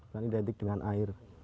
dan identik dengan air